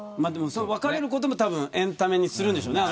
別れることもエンタメにするんでしょうね。